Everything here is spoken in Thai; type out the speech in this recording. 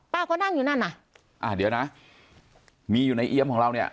เขานั่งอยู่นั่นน่ะอ่าเดี๋ยวนะมีอยู่ในเอี๊ยมของเราเนี่ย